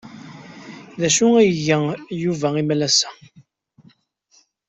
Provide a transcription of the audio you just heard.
D acu ay iga Yuba imalas-a?